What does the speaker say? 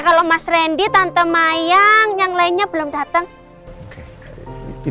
kalau mas randy tante mayang yang lainnya belum datang